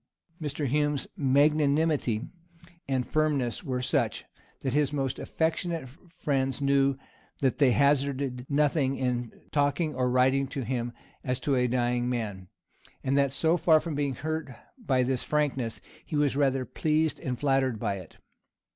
Mr. Hume's magnanimity and firmness were such, that his most affectionate friends knew that they hazarded nothing in talking or writing to him as to a dying man, and that so far from being hurt by this frankness, he was rather pleased and flattered by it.